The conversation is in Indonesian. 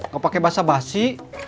gak pake basah basi